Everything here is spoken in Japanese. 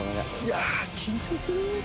いや緊張する。